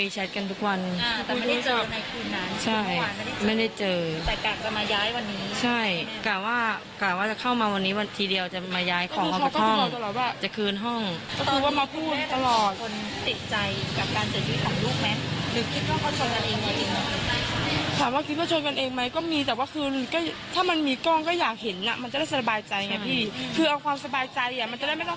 ใช่กะเกาะว่าจะเข้ามาวันนี้ทีเดียวจะมาย้ายของคนไปห้อง